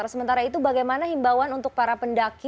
sementara itu bagaimana himbauan untuk para pendaki